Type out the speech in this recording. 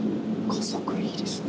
加速いいですね。